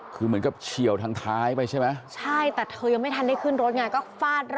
คือเหมือนกับเฉียวทางท้ายไปใช่ไหมใช่แต่เธอยังไม่ทันได้ขึ้นรถไงก็ฟาด